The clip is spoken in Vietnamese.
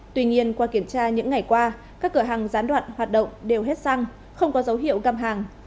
tuy nhiên qua kiểm tra những ngày qua các cửa hàng gián đoạn hoạt động đều hết xăng không có dấu hiệu găm hàng